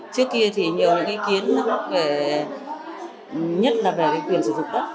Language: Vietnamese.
trước kia thì nhiều những ý kiến nhất là về quyền sử dụng đất